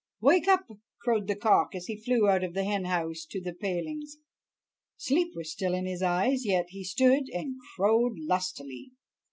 wake up!" crowed the cock as he flew out of the hen house to the palings. Sleep was still in his eyes, yet he stood and crowed lustily.